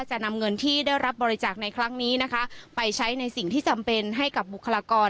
จะนำเงินที่ได้รับบริจาคในครั้งนี้นะคะไปใช้ในสิ่งที่จำเป็นให้กับบุคลากร